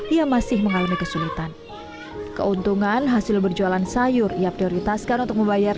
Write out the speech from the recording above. ia masih mengalami kesulitan keuntungan hasil berjualan sayur ia prioritaskan untuk membayar